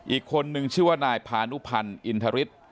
อีกคนนึงชื่อว่านายพานุพันธ์อินทริส